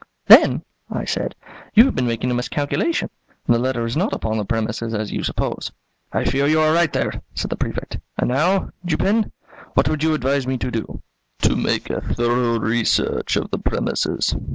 "Then," I said, "you have been making a miscalculation, and the letter is not upon the premises, as you suppose." "I fear you are right there," said the Prefect. "And now, Dupin, what would you advise me to do?" "To make a thorough research of the premises."